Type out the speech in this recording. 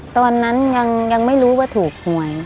ตอนนั้นยังไม่รู้ว่าถูกหวย